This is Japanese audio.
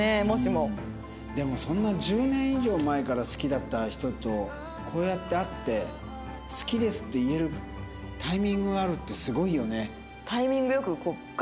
でもそんな１０年以上前から好きだった人とこうやって会って好きですって言えるタイミングがあるってすごいよね。